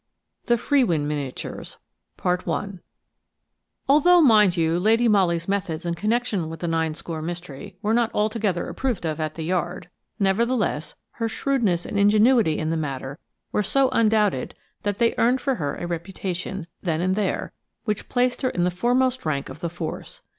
IITHE FREWIN MINIATURES ALTHOUGH, mind you, Lady Molly's methods in connection with the Ninescore mystery were not altogether approved of at the Yard, nevertheless, her shrewdness and ingenuity in the matter were so undoubted that they earned for her a reputation, then and there, which placed her in the foremost rank of the force.